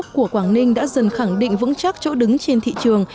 của quảng ninh đã dần khẳng định vững chắc chỗ đứng trên thị trường